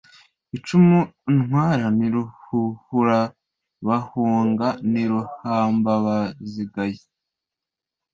Icumu ntwara ni Ruhuhurabahunga ni ruhambabasigaye